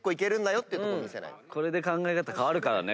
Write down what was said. これで考え方変わるから。